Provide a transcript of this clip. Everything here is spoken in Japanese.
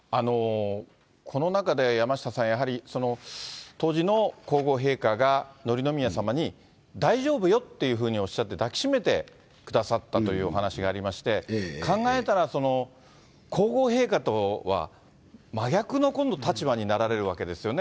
この中で、山下さん、やはり当時の皇后陛下が紀宮さまに、大丈夫よっていうふうにおっしゃって、抱きしめてくださったというお話がありまして、考えたら、皇后陛下とは真逆の今度、立場になられるわけですよね。